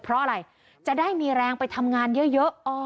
เพราะอะไรจะได้มีแรงไปทำงานเยอะ